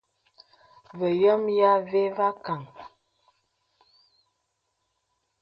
Və yɔmə yìā və và kāŋə.